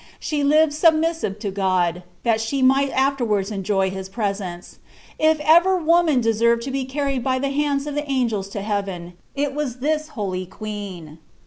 She lived subniiasive lu God. thai she might afterwards enjoy his presence. If ever woman dewrnd lo be carried by the hands of angels to heaven, ii was this holy queeo."